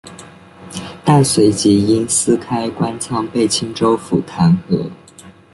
但随即因私开官仓被青州府弹劾。